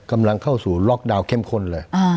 กำลังเข้าสู่ดาวน์เข้มข้นเลยอ่า